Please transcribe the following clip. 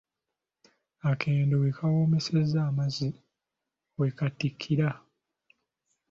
Akendo we kawoomeseza amazzi, we kaatikira.